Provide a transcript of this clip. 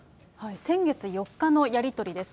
先月４日のやり取りです。